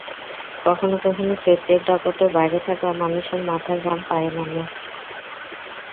কখনো কখনো চৈত্রের দাপটে বাইরে থাকা মানুষের মাথার ঘাম পায়ে নামে।